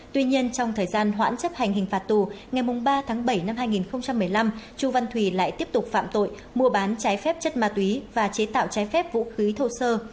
tuy nhiên trong thời gian hoãn chấp hành hình phạt tù ngày ba tháng bảy năm hai nghìn một mươi năm chu văn thùy lại tiếp tục phạm tội mua bán trái phép chất ma túy và chế tạo trái phép vũ khí thô sơ